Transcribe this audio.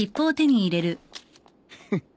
フッ。